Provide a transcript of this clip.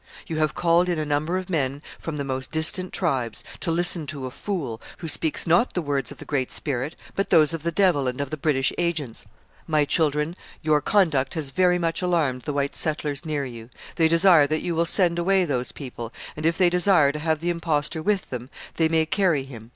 You have called in a number of men from the most distant tribes, to listen to a fool, who speaks not the words of the Great Spirit, but those of the devil and of the British agents. My children, your conduct has much alarmed the white settlers near you. They desire that you will send away those people, and if they desire to have the impostor with them, they may carry him.